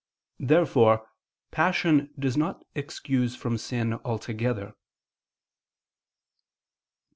Therefore passion does not excuse from sin altogether.